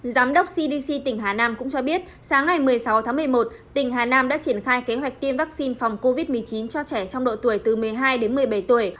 giám đốc cdc tỉnh hà nam cũng cho biết sáng ngày một mươi sáu tháng một mươi một tỉnh hà nam đã triển khai kế hoạch tiêm vaccine phòng covid một mươi chín cho trẻ trong độ tuổi từ một mươi hai đến một mươi bảy tuổi